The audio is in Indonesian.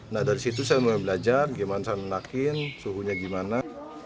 nah dari situ saya mulai belajar gimana saya menakin suhunya gimana